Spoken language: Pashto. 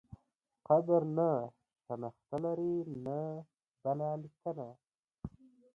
قبر نه شنخته لري نه بله لیکنه.